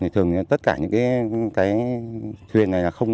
thường tất cả những thuyền này